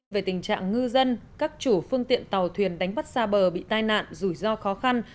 về tình trạng ngư dân các chủ phương tiện tàu thuyền đánh bắt xa bờ bị tai nạn rủi ro khó khăn